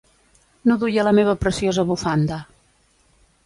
No duia la meva preciosa bufanda.